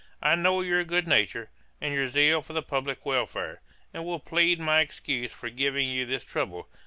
I know your good nature, and your zeal for the publick welfare, will plead my excuse for giving you this trouble.